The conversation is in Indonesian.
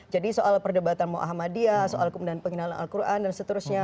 jadi soal perdebatan mu'ahmadiyah soal penggunaan al quran dan seterusnya